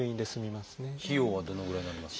費用はどのぐらいになりますか？